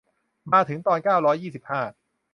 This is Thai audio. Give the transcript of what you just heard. มาถึงตอน เก้าร้อยสี่สิบห้า